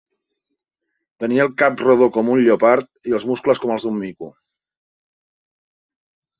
Tenia un cap redó com un lleopard i els muscles com els d'un mico.